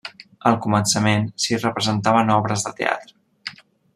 Al començament s'hi representaven obres de teatre.